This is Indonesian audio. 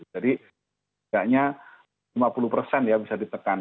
jadi sepertinya lima puluh bisa ditekan